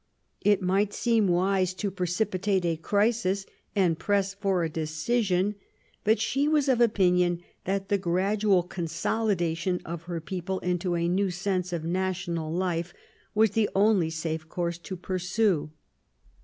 It might seem wise to precipitate a crisis, and press for a decision ; but she was of opinion that the gradual consolidation of her people into a new sense of national life was the only safe course to pursue.